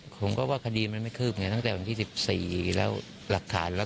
ผมก็ว่าคดีมันไม่คืบไงตั้งแต่วันที่๑๔แล้วหลักฐานแล้ว